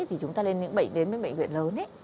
thì chúng ta lên những bệnh đến với bệnh viện lớn ấy